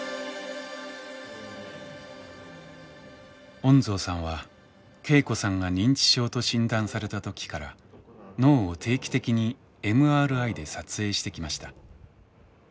恩蔵さんは恵子さんが認知症と診断された時から脳を定期的にＭＲＩで撮影してきました。